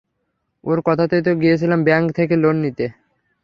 ওর কথাতেই তো গিয়েছিলাম ব্যাংক থেকে লোন নিতে।